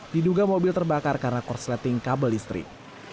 diduga mobil terbakar karena korsleting kabel listrik